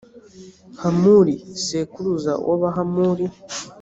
hamuli sekuruza w’abahamuli.